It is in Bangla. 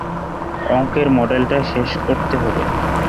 অঙ্কের মডেলটা শেষ করতে হবে।